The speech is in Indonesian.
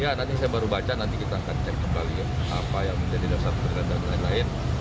iya nanti saya baru baca nanti kita akan cek kembali ya apa yang menjadi dasar penilaian kemenkes lain lain